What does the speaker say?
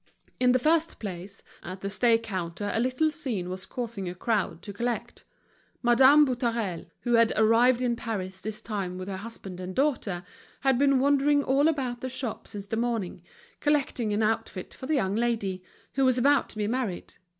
In the first place, at the stay counter a little scene was causing a crowd to collect. Madame Boutarel, who had arrived in Paris this time with her husband and daughter, had been wandering all about the shop since the morning collecting an outfit for the young lady, who was about to be married.